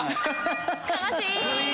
悲しい！